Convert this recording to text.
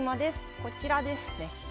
こちらですね。